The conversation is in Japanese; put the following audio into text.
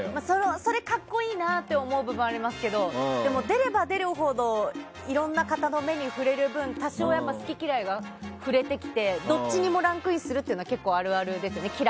それは格好いいなと思う部分もありますけどでも、出れば出るほどいろいろな方の目に触れる分多少好き嫌いが振れてきてどっちにもランクインするのは結構あるあるですよね。